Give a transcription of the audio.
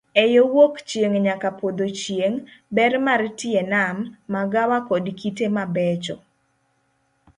Eyo wuok chieng' nyaka podho chieng', ber mar tie nam, magawa koda kite mabecho.